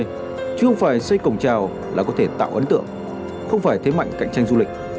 chứ không phải xây cổng treo là có thể tạo ấn tượng không phải thế mạnh cạnh tranh du lịch